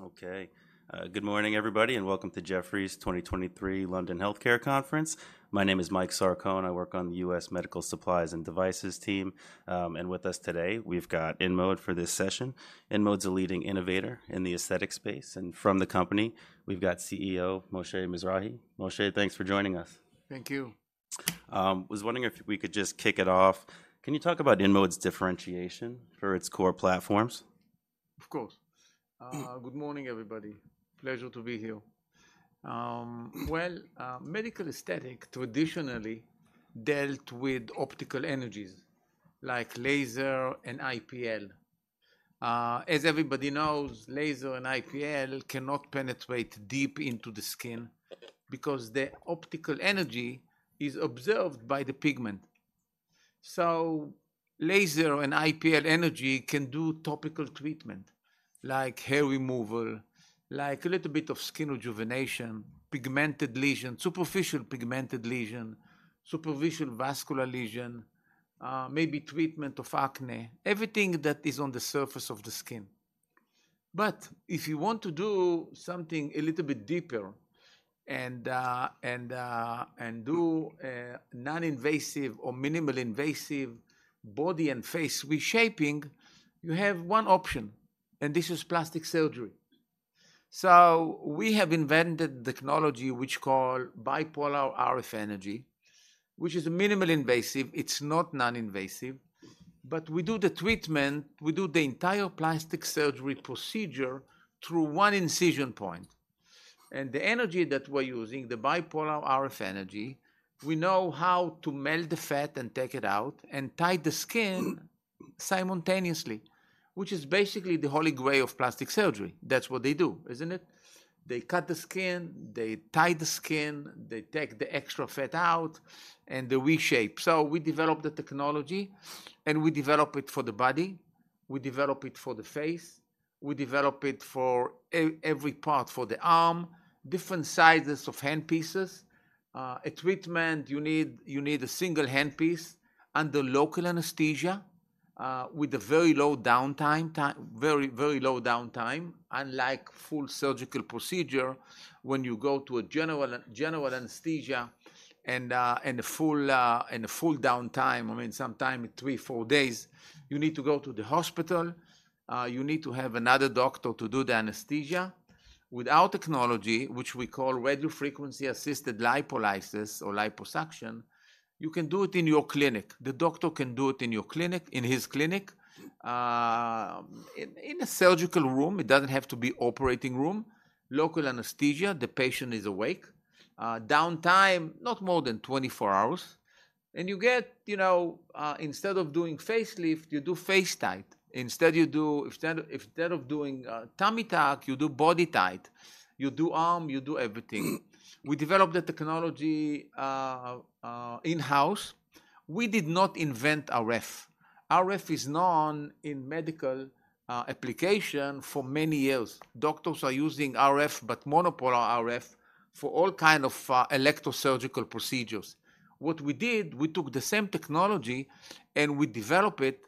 Okay. Good morning, everybody, and welcome to Jefferies' 2023 London Healthcare Conference. My name is Mike Sarcone. I work on the U.S. Medical Supplies and Devices team. And with us today, we've got InMode for this session. InMode's a leading innovator in the aesthetic space, and from the company, we've got CEO, Moshe Mizrahy. Moshe, thanks for joining us. Thank you. I was wondering if we could just kick it off. Can you talk about InMode's differentiation for its core platforms? Of course. Good morning, everybody. Pleasure to be here. Well, medical aesthetic traditionally dealt with optical energies like laser and IPL. As everybody knows, laser and IPL cannot penetrate deep into the skin because the optical energy is absorbed by the pigment. So laser and IPL energy can do topical treatment, like hair removal, like a little bit of skin rejuvenation, pigmented lesion, superficial pigmented lesion, superficial vascular lesion, maybe treatment of acne, everything that is on the surface of the skin. But if you want to do something a little bit deeper and do a non-invasive or minimally invasive body and face reshaping, you have one option, and this is plastic surgery. So we have invented technology, which called Bipolar RF energy, which is minimally invasive. It's not non-invasive, but we do the treatment, we do the entire plastic surgery procedure through one incision point. And the energy that we're using, the bipolar RF energy, we know how to melt the fat and take it out and tight the skin simultaneously, which is basically the holy grail of plastic surgery. That's what they do, isn't it? They cut the skin, they tight the skin, they take the extra fat out, and they reshape. So we developed the technology, and we develop it for the body, we develop it for the face, we develop it for every part, for the arm, different sizes of hand pieces. A treatment, you need a single hand piece under local anesthesia, with a very low downtime—very, very low downtime, unlike full surgical procedure, when you go to a general anesthesia and a full downtime, I mean, sometimes three, four days. You need to go to the hospital. You need to have another doctor to do the anesthesia. With our technology, which we call radiofrequency-assisted lipolysis or liposuction, you can do it in your clinic. The doctor can do it in your clinic, in his clinic, in a surgical room. It doesn't have to be operating room. Local anesthesia, the patient is awake. Downtime, not more than 24 hours. And you get, you know, instead of doing facelift, you do FaceTite. Instead, you do... Instead of doing a tummy tuck, you do BodyTite, you do arm, you do everything. We developed the technology in-house. We did not invent RF. RF is known in medical application for many years. Doctors are using RF, but monopolar RF for all kind of electrosurgical procedures. What we did, we took the same technology, and we developed it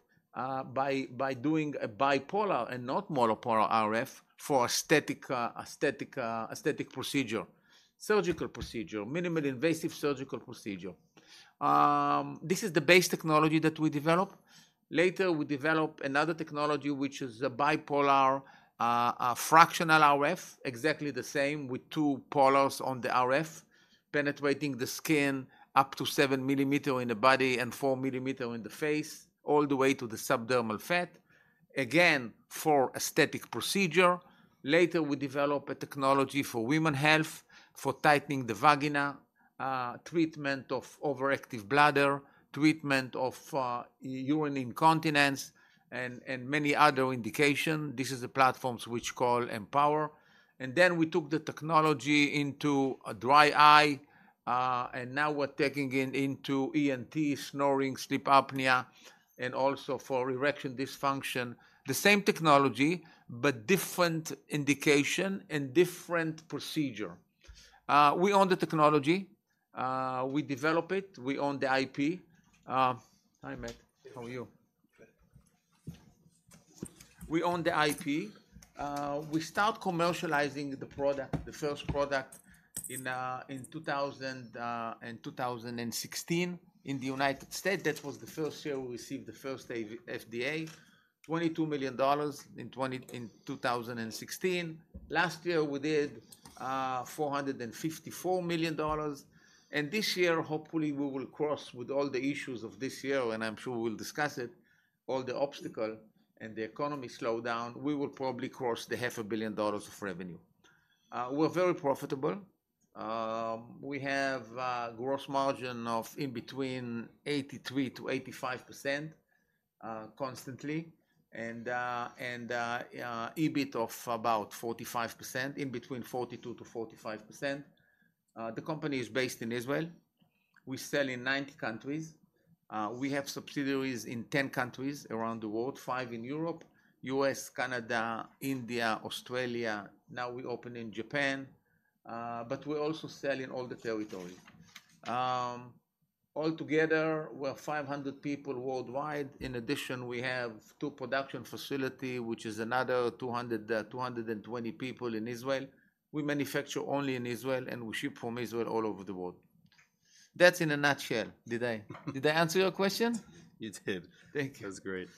by doing a bipolar and not monopolar RF for aesthetic procedure, surgical procedure, minimally invasive surgical procedure. This is the base technology that we developed. Later, we developed another technology, which is a bipolar fractional RF, exactly the same with two polars on the RF, penetrating the skin up to 7 millimeters in the body and 4 millimeters in the face, all the way to the subdermal fat. Again, for aesthetic procedure. Later, we developed a technology for women's health, for tightening the vagina, treatment of overactive bladder, treatment of, urinary incontinence, and, and many other indication. This is the platforms which call Empower. And then we took the technology into a dry eye, and now we're taking it into ENT, snoring, sleep apnea, and also for erectile dysfunction. The same technology, but different indication and different procedure. We own the technology, we develop it, we own the IP. Hi, Matt. How are you? We own the IP. We start commercializing the product, the first product, in 2016, in the United States. That was the first year we received the first FDA. $22 million in 2016. Last year, we did $454 million, and this year, hopefully, we will cross with all the issues of this year, and I'm sure we'll discuss it, all the obstacles and the economic slowdown, we will probably cross the $500 million of revenue. We're very profitable. We have a gross margin of between 83%-85%, constantly, and EBITDA of about 45%, between 42%-45%. The company is based in Israel. We sell in 90 countries. We have subsidiaries in 10 countries around the world, five in Europe, U.S., Canada, India, Australia. Now, we opened in Japan, but we're also selling all the territory. All together, we're 500 people worldwide. In addition, we have two production facility, which is another 200, two hundred and twenty people in Israel. We manufacture only in Israel, and we ship from Israel all over the world. That's in a nutshell. Did I, did I answer your question? You did. Thank you. That's great.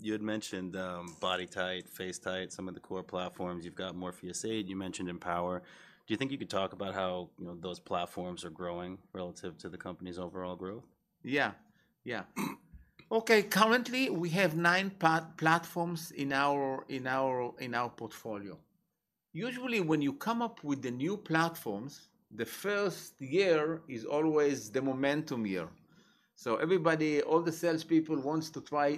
You had mentioned BodyTite, FaceTite, some of the core platforms. You've got Morpheus8, you mentioned Empower. Do you think you could talk about how, you know, those platforms are growing relative to the company's overall growth? Yeah. Yeah. Okay, currently, we have nine platforms in our portfolio. Usually, when you come up with the new platforms, the first year is always the momentum year. So everybody, all the salespeople, wants to try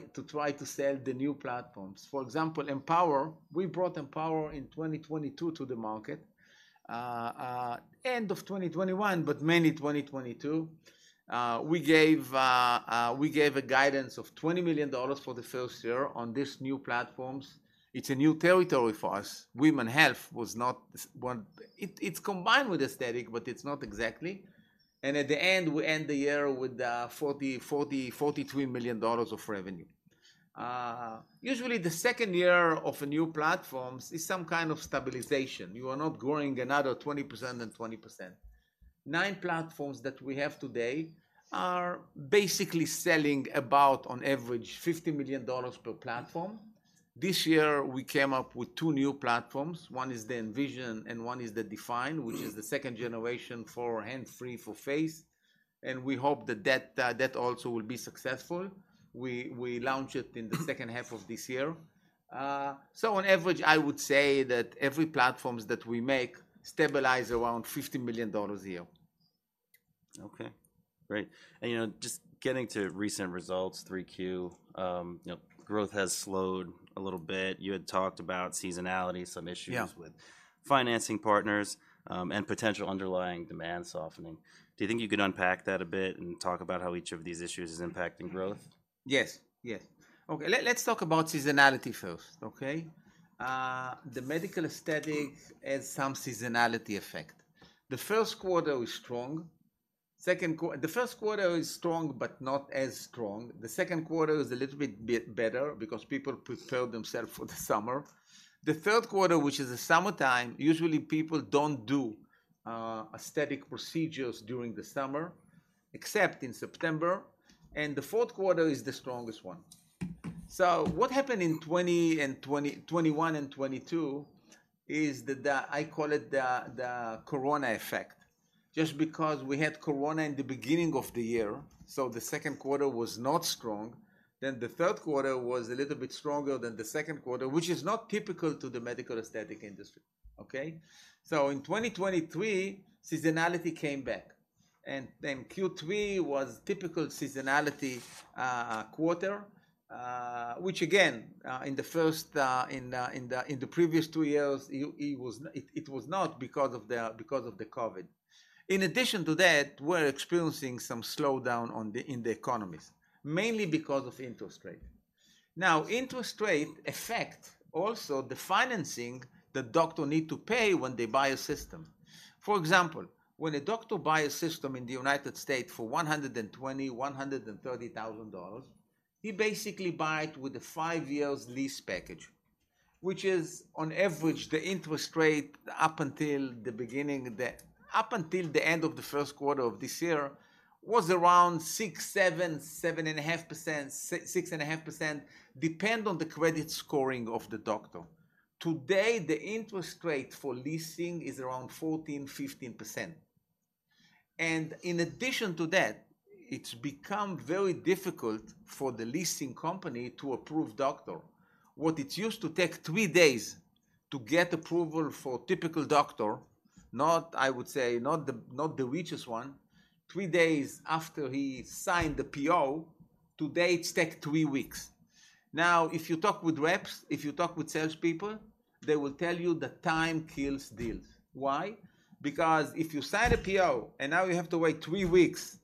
to sell the new platforms. For example, Empower, we brought Empower in 2022 to the market, end of 2021, but mainly 2022. We gave a guidance of $20 million for the first year on these new platforms. It's a new territory for us. Women health was not. It, it's combined with aesthetic, but it's not exactly. And at the end, we end the year with $43 million of revenue. Usually, the second year of a new platforms is some kind of stabilization. You are not growing another 20% and 20%. 9 platforms that we have today are basically selling about, on average, $50 million per platform. This year, we came up with two new platforms. One is the Envision, and one is the Define, which is the second generation for hands-free for face, and we hope that that also will be successful. We launch it in the second half of this year. So on average, I would say that every platforms that we make stabilize around $50 million a year. Okay, great. And, you know, just getting to recent results, 3Q, you know, growth has slowed a little bit. You had talked about seasonality, some issues- Yeah... with financing partners, and potential underlying demand softening. Do you think you could unpack that a bit and talk about how each of these issues is impacting growth? Yes, yes. Okay, let's talk about seasonality first, okay? The medical aesthetic has some seasonality effect. The first quarter is strong. The first quarter is strong, but not as strong. The second quarter is a little bit better because people prepare themselves for the summer. The third quarter, which is the summertime, usually people don't do aesthetic procedures during the summer, except in September, and the fourth quarter is the strongest one. So what happened in 2020, 2021 and 2022 is the, the, I call it the, the corona effect, just because we had corona in the beginning of the year, so the second quarter was not strong. Then the third quarter was a little bit stronger than the second quarter, which is not typical to the medical aesthetic industry. Okay? So in 2023, seasonality came back, and then Q3 was typical seasonality, quarter, which again, in the previous two years, it was not because of the COVID. In addition to that, we're experiencing some slowdown in the economies, mainly because of interest rate. Now, interest rate affect also the financing the doctor need to pay when they buy a system. For example, when a doctor buy a system in the United States for $120,000-$130,000, he basically buy it with a five years lease package, which is, on average, the interest rate up until the beginning of, up until the end of the first quarter of this year, was around 6%, 7%, 7.5%, 6.5%, depend on the credit scoring of the doctor. Today, the interest rate for leasing is around 14%-15%, and in addition to that, it's become very difficult for the leasing company to approve doctor. What it used to take three days to get approval for typical doctor, not, I would say, not the, not the richest one, three days after he signed the PO, today, it take three weeks. Now, if you talk with reps, if you talk with salespeople, they will tell you that time kills deals. Why? Because if you sign a PO and now you have to wait three weeks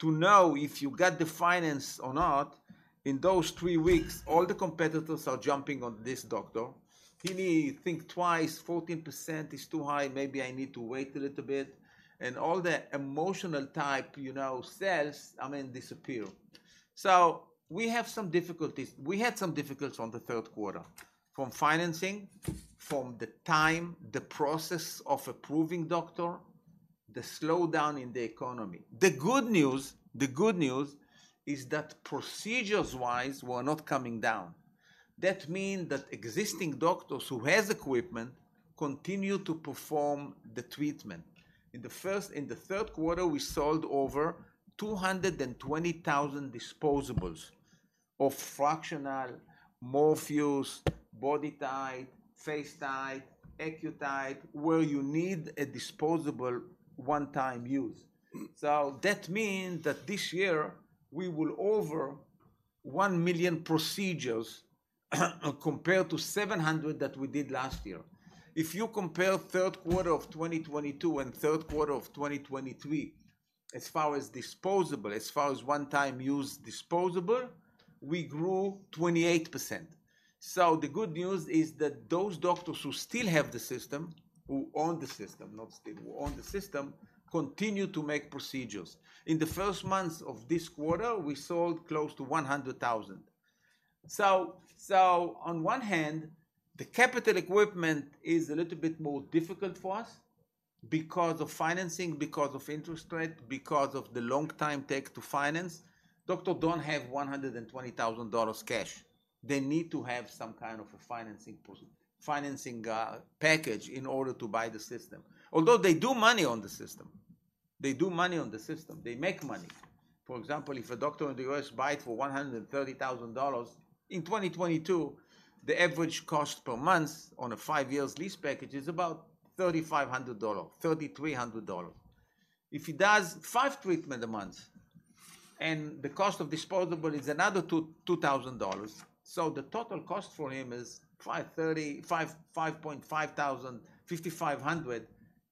to know if you got the finance or not, in those three weeks, all the competitors are jumping on this doctor. He may think twice, "14% is too high. Maybe I need to wait a little bit." And all the emotional type, you know, sales, I mean, disappear. So we have some difficulties. We had some difficulties on the third quarter from financing, from the time, the process of approving doctor, the slowdown in the economy. The good news, the good news is that procedures-wise, we're not coming down. That mean that existing doctors who has equipment continue to perform the treatment. In the third quarter, we sold over 220,000 disposables of fractional Morpheus, BodyTite, FaceTite, AccuTite, where you need a disposable one-time use. So that mean that this year we will over 1 million procedures, compared to 700 that we did last year. If you compare third quarter of 2022 and third quarter of 2023, as far as disposable, as far as one-time use disposable, we grew 28%.... So the good news is that those doctors who still have the system, who own the system, not still, who own the system, continue to make procedures. In the first months of this quarter, we sold close to 100,000. So, so on one hand, the capital equipment is a little bit more difficult for us because of financing, because of interest rate, because of the long time take to finance. Doctors don't have $120,000 cash. They need to have some kind of a financing package in order to buy the system. Although they make money. For example, if a doctor in the U.S. buy it for $130,000, in 2022, the average cost per month on a five year lease package is about $3,500, $3,300. If he does five treatments a month, and the cost of disposable is another $2,000, so the total cost for him is $5,500.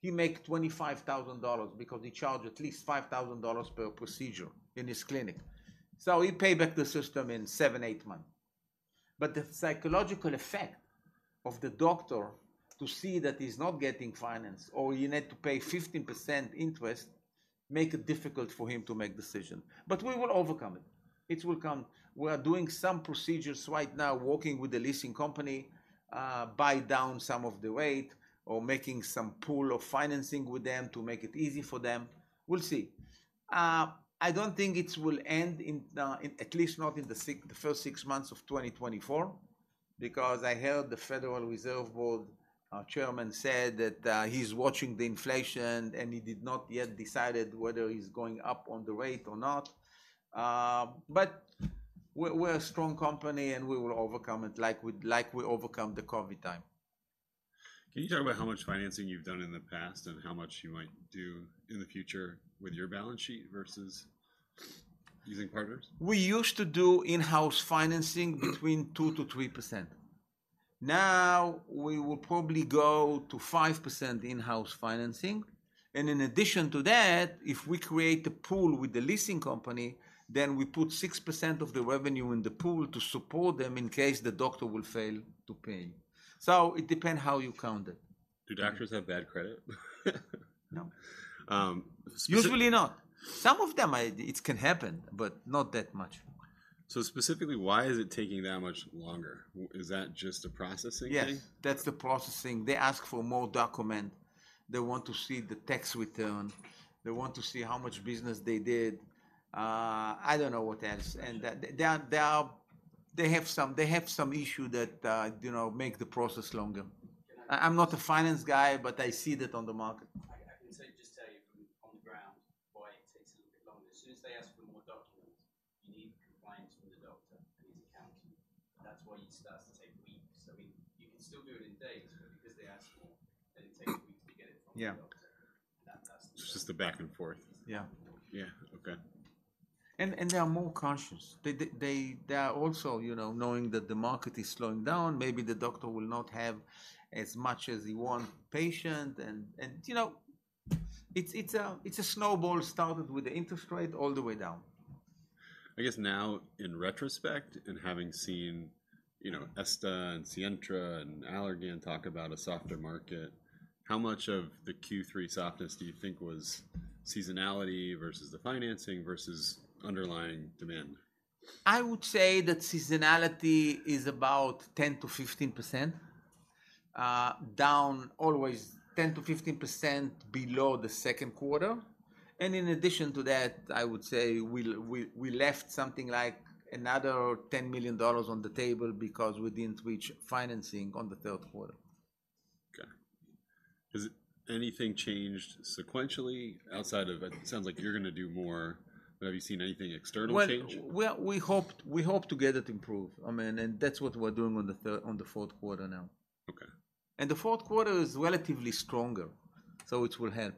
He make $25,000 because he charge at least $5,000 per procedure in his clinic. So he pay back the system in seven-eight months. But the psychological effect of the doctor to see that he's not getting financed or he need to pay 15% interest, make it difficult for him to make decision. But we will overcome it. It will come. We are doing some procedures right now, working with the leasing company, buy down some of the rate or making some pool of financing with them to make it easy for them. We'll see. I don't think it will end in, in at least not in the first six months of 2024, because I heard the Federal Reserve Board chairman said that, he's watching the inflation, and he did not yet decided whether he's going up on the rate or not. But we're a strong company, and we will overcome it like we, like we overcome the COVID time. Can you talk about how much financing you've done in the past and how much you might do in the future with your balance sheet versus using partners? We used to do in-house financing- Mm. Between 2%-3%. Now, we will probably go to 5% in-house financing, and in addition to that, if we create a pool with the leasing company, then we put 6% of the revenue in the pool to support them in case the doctor will fail to pay. So it depend how you count it. Do doctors have bad credit? No. Um, usually- Usually not. Some of them, it can happen, but not that much. Specifically, why is it taking that much longer? Is that just a processing thing? Yes, that's the processing. They ask for more document. They want to see the tax return. They want to see how much business they did. I don't know what else, and that they have some issue that, you know, make the process longer. I'm not a finance guy, but I see that on the market. I can tell you, just tell you from on the ground why it takes a little bit longer. As soon as they ask for more documents, you need compliance from the doctor and his accountant. That's why it starts to take weeks. I mean, you can still do it in days, but because they ask more, then it takes weeks to get it from the doctor. Yeah. That's- It's just the back and forth. Yeah. Yeah. Okay. They are more cautious. They are also, you know, knowing that the market is slowing down, maybe the doctor will not have as much as he want patient and, you know, it's a snowball started with the interest rate all the way down. I guess now in retrospect, and having seen, you know, Esta and Sientra and Allergan talk about a softer market, how much of the Q3 softness do you think was seasonality versus the financing versus underlying demand? I would say that seasonality is about 10%-15% down always 10%-15% below the second quarter. And in addition to that, I would say we left something like another $10 million on the table because we didn't reach financing on the third quarter. Okay. Has anything changed sequentially outside of... It sounds like you're gonna do more, but have you seen anything external change? Well, we hope to get it improve. I mean, and that's what we're doing on the fourth quarter now. Okay. The fourth quarter is relatively stronger, so it will help.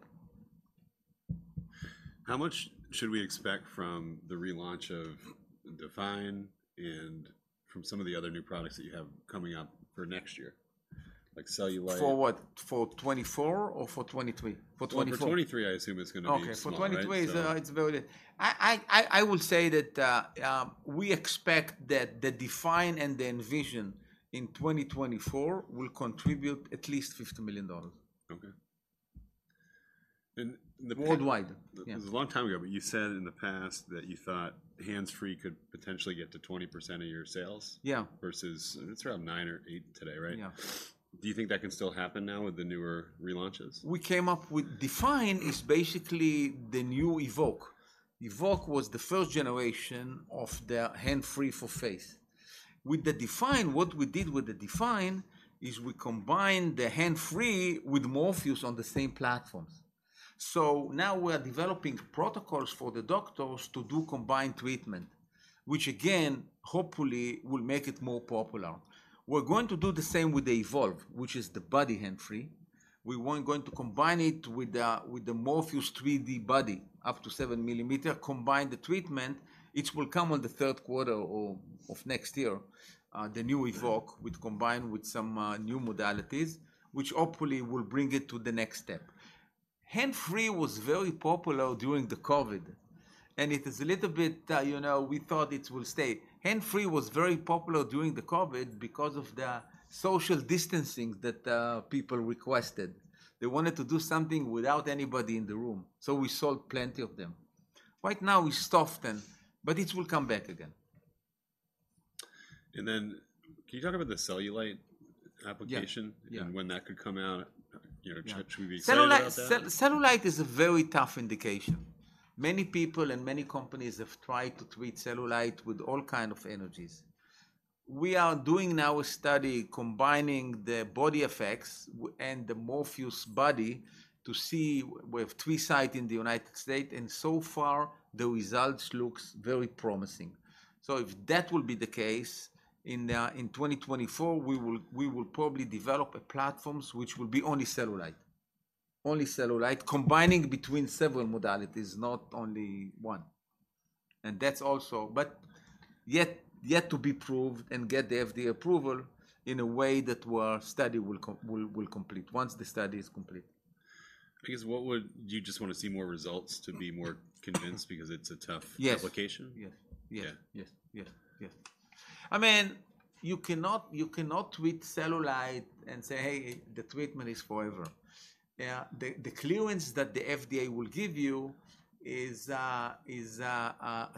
How much should we expect from the relaunch of Define and from some of the other new products that you have coming up for next year? Like cellulite- For what? For 2024 or for 2023? For 2024. Well, for 2023, I assume it's gonna be small, right? So- Okay, for 2023, it's very little. I would say that we expect that the Define and the Envision in 2024 will contribute at least $50 million. Okay. Worldwide. It was a long time ago, but you said in the past that you thought hands-free could potentially get to 20% of your sales- Yeah... versus it's around nine or eight today, right? Yeah. Do you think that can still happen now with the newer relaunches? We came up with Define, is basically the new Evoke. Evoke was the first generation of the hands-free for face. With the Define, what we did with the Define, is we combined the hands-free with Morpheus on the same platforms. So now we are developing protocols for the doctors to do combined treatment, which again, hopefully will make it more popular. We're going to do the same with the Evolve, which is the body hands-free. We were going to combine it with the, with the Morpheus 3D body, up to seven millimeter, combine the treatment, which will come on the third quarter or of next year, the new Evoke- Mm... which combined with some new modalities, which hopefully will bring it to the next step. Hands-free was very popular during the COVID, and it is a little bit, you know, we thought it will stay. Hands-free was very popular during the COVID because of the social distancing that people requested. They wanted to do something without anybody in the room, so we sold plenty of them. Right now, we stopped them, but it will come back again. Can you talk about the cellulite application? Yeah. Yeah. When that could come out, you know- Yeah. Should we be excited about that? Cellulite, cellulite is a very tough indication. Many people and many companies have tried to treat cellulite with all kinds of energies. We are doing now a study combining the BodyFX and the Morpheus Body to see. We have three sites in the United States, and so far the results look very promising. So if that will be the case, in 2024, we will probably develop a platform which will be only cellulite. Only cellulite, combining between several modalities, not only one. And that's also. But yet to be proved and get the FDA approval in a way that our study will complete, once the study is complete. Do you just want to see more results to be more convinced because it's a tough- Yes. - application? Yes. Yeah. Yes. Yes. Yes. I mean, you cannot, you cannot treat cellulite and say, "Hey, the treatment is forever." The clearance that the FDA will give you is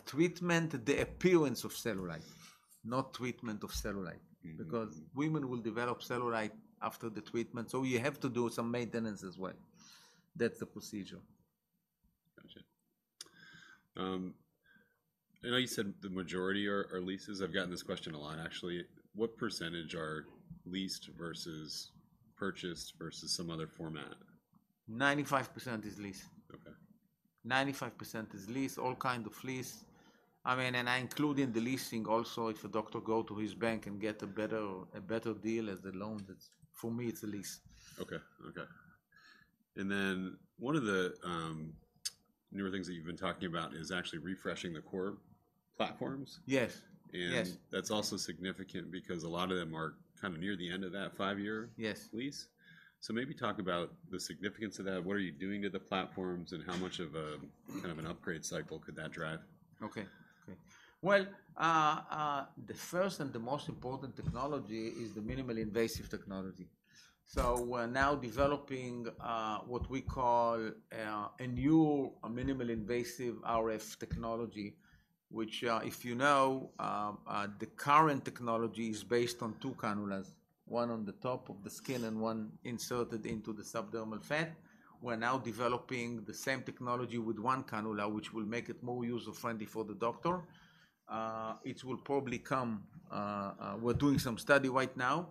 treatment of the appearance of cellulite, not treatment of cellulite. Mm-hmm. Because women will develop cellulite after the treatment, so you have to do some maintenance as well. That's the procedure. Gotcha. I know you said the majority are leases. I've gotten this question a lot, actually. What percentage are leased versus purchased versus some other format? 95% is lease. Okay. 95% is lease, all kind of lease. I mean, and I include in the leasing also if a doctor go to his bank and get a better, a better deal as a loan, that's for me, it's a lease. And then one of the newer things that you've been talking about is actually refreshing the core platforms. Yes. Yes. That's also significant because a lot of them are kind of near the end of that five year- Yes... lease. So maybe talk about the significance of that. What are you doing to the platforms, and how much of a- Mm... kind of an upgrade cycle could that drive? Okay. Okay. Well, the first and the most important technology is the minimally invasive technology. So we're now developing what we call a new minimally invasive RF technology, which, if you know, the current technology is based on two cannulas, one on the top of the skin and one inserted into the subdermal fat. We're now developing the same technology with one cannula, which will make it more user-friendly for the doctor. It will probably come... We're doing some study right now,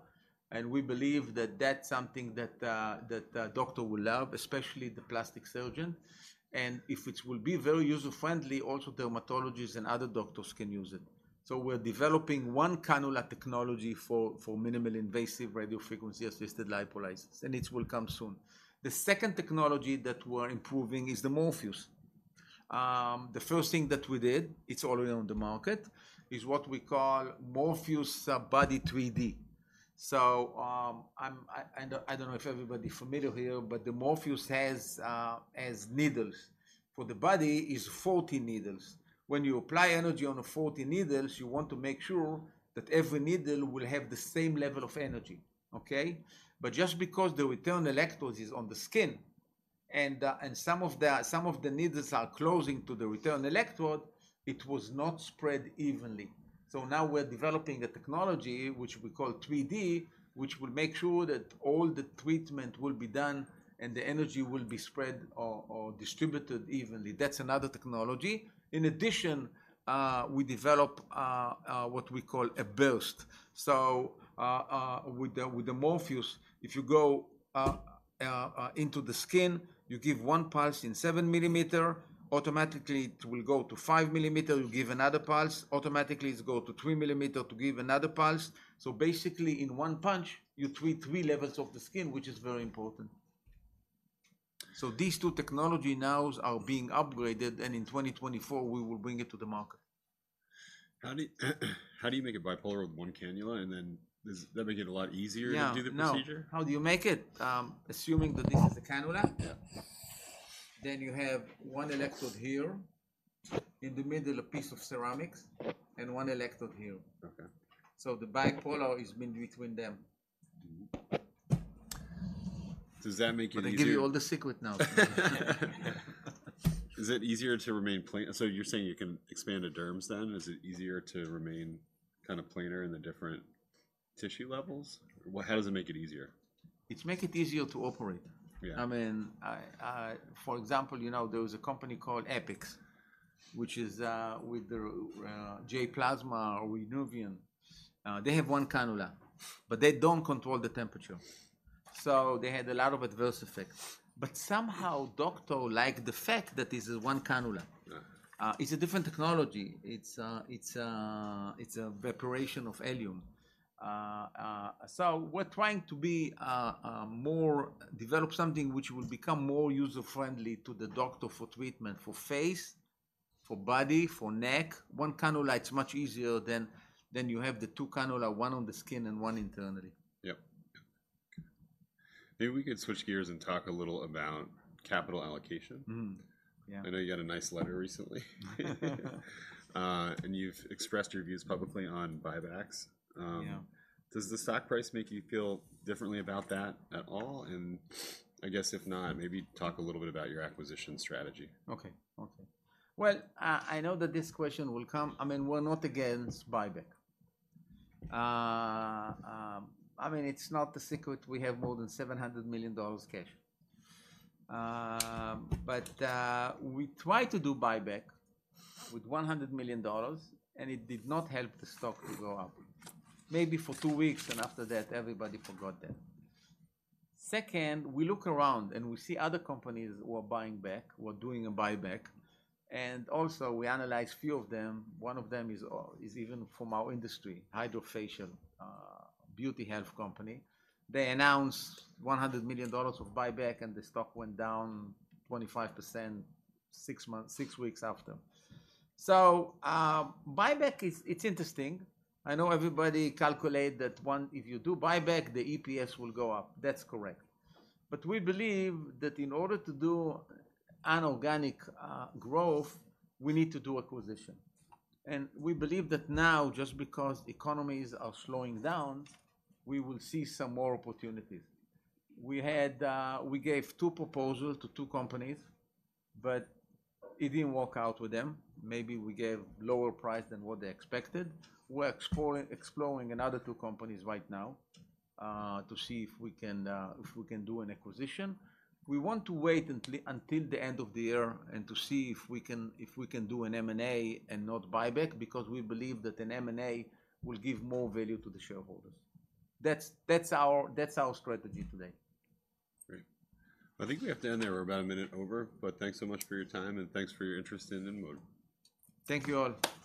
and we believe that that's something that doctor will love, especially the plastic surgeon. And if it will be very user-friendly, also dermatologists and other doctors can use it. So we're developing one cannula technology for minimally invasive radiofrequency-assisted lipolysis, and it will come soon. The second technology that we're improving is the Morpheus. The first thing that we did, it's already on the market, is what we call Morpheus Body 3D. So, I don't know if everybody familiar here, but the Morpheus has needles. For the body, is 40 needles. When you apply energy on the 40 needles, you want to make sure that every needle will have the same level of energy. Okay? But just because the return electrodes is on the skin, and some of the needles are close to the return electrode, it was not spread evenly. So now we're developing a technology which we call 3D, which will make sure that all the treatment will be done, and the energy will be spread or distributed evenly. That's another technology. In addition, we develop what we call a burst. So, with the Morpheus, if you go into the skin, you give one pulse in 7 millimeter. Automatically, it will go to 5 millimeter, you give another pulse. Automatically, it go to 3 millimeter to give another pulse. So basically, in one punch, you treat three levels of the skin, which is very important. So these two technology now are being upgraded, and in 2024, we will bring it to the market. How do you make it bipolar with one cannula, and then does that make it a lot easier- Yeah... to do the procedure? No. How do you make it? Assuming that this is a cannula- Yeah. You have one electrode here, in the middle, a piece of ceramics, and one electrode here. Okay. The Bipolar is between them. Does that make it easier? But I give you all the secret now. Is it easier to remain? So you're saying you can expand the derms then? Is it easier to remain kind of planar in the different tissue levels? How does it make it easier? It make it easier to operate. Yeah. I mean, for example, you know, there was a company called Apyx, which is with the J-Plasma or Renuvion. They have one cannula, but they don't control the temperature, so they had a lot of adverse effects. But somehow, doctors like the fact that this is one cannula. Yeah. It's a different technology. It's a evaporation of helium. So we're trying to develop something which will become more user-friendly to the doctor for treatment for face, for body, for neck, one cannula. It's much easier than you have the two cannula, one on the skin and one internally. Yep. Maybe we could switch gears and talk a little about capital allocation. Mm-hmm. Yeah. I know you got a nice letter recently. You've expressed your views publicly on buybacks. Yeah. Does the stock price make you feel differently about that at all? And I guess if not, maybe talk a little bit about your acquisition strategy? Well, I know that this question will come. I mean, we're not against buyback. I mean, it's not a secret, we have more than $700 million cash. But we tried to do buyback with $100 million, and it did not help the stock to go up. Maybe for two weeks, and after that, everybody forgot that. Second, we look around, and we see other companies who are buying back, who are doing a buyback, and also we analyze few of them. One of them is even from our industry, HydraFacial, Beauty Health Company. They announced $100 million of buyback, and the stock went down 25%, six weeks after. So, buyback is, it's interesting. I know everybody calculate that one - if you do buyback, the EPS will go up. That's correct. But we believe that in order to do an organic growth, we need to do acquisition. And we believe that now, just because economies are slowing down, we will see some more opportunities. We had. We gave two proposals to two companies, but it didn't work out with them. Maybe we gave lower price than what they expected. We're exploring another two companies right now to see if we can do an acquisition. We want to wait until the end of the year and to see if we can do an M&A and not buyback, because we believe that an M&A will give more value to the shareholders. That's our strategy today. Great. I think we have to end there. We're about a minute over, but thanks so much for your time, and thanks for your interest in InMode. Thank you, all.